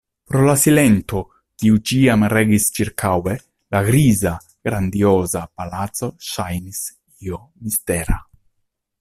Pro la silento, kiu ĉiam regis ĉirkaŭe, la griza, grandioza palaco ŝajnis io mistera.